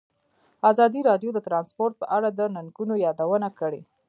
ازادي راډیو د ترانسپورټ په اړه د ننګونو یادونه کړې.